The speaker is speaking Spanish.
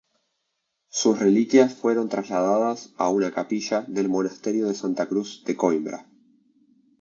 Sus reliquias fueron trasladadas a una capilla del monasterio de Santa Cruz de Coimbra.